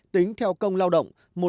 tính theo công lao động